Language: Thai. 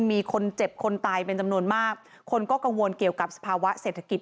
มีคนเจ็บคนตายเป็นจำนวนมากคนก็กังวลเกี่ยวกับสภาวะเศรษฐกิจ